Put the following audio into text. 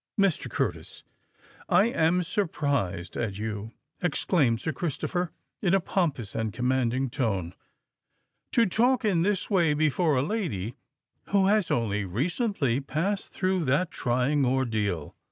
"Mr. Curtis, I am surprised at you," exclaimed Sir Christopher, in a pompous and commanding tone;—"to talk in this way before a lady who has only recently passed through that trying ordeal."